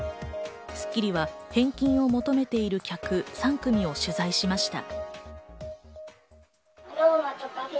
『スッキリ』は返金を求めている客、３組を取材しました。